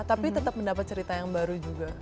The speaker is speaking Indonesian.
tapi tetap mendapat cerita yang baru juga